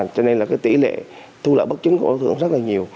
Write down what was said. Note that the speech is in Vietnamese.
cho nên là tỷ lệ thu lợi bất chứng của đối tượng rất là nhiều